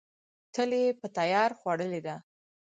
تل یې په تیار خوړلې ده.